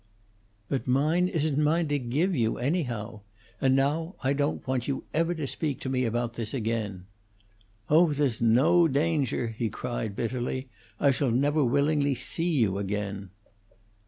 "But mine isn't mine to give you, anyhow. And now I don't want you ever to speak to me about this again." "Oh, there's no danger!" he cried, bitterly. "I shall never willingly see you again."